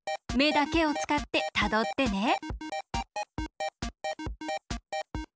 めだけをつかってたどってね。